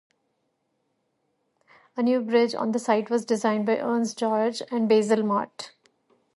A new bridge on the site was designed by Ernest George and Basil Mott.